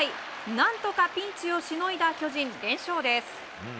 何とかピンチをしのいだ巨人連勝です。